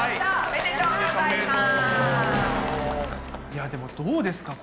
いやでもどうですか？